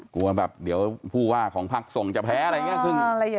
กลัวแบบเดี๋ยวผู้ว่าของพักส่งจะแพ้อะไรอย่างนี้ขึ้น